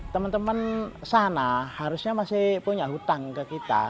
temen temen sana harusnya masih punya hutang ke kita